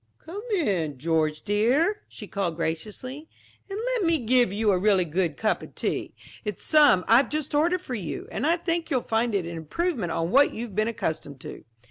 "Come in, George dear," she called graciously, "and let me give you a really good cup of tea. It's some I've just ordered for you, and I think you'll find it an improvement on what you've been accustomed to."